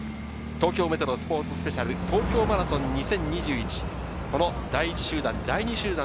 東京メトロスポーツスペシャル・東京マラソン２０２１。